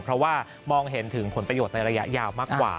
เพราะว่ามองเห็นถึงผลประโยชน์ในระยะยาวมากกว่า